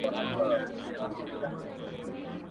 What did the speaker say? هسي نه چي شوم اثر دي پر ما پرېوزي.